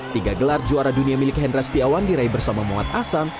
tiga gelar juara dunia milik hendra setiawan diraih bersama muhammad ahsan